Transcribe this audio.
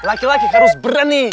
laki laki harus berani